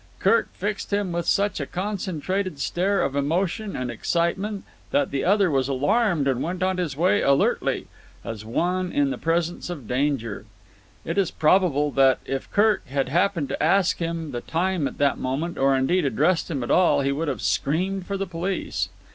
Kirk fixed him with such a concentrated stare of emotion and excitement that the other was alarmed and went on his way alertly, as one in the presence of danger. It is probable that, if Kirk had happened to ask him the time at that moment, or indeed addressed him at all, he would have screamed for the police.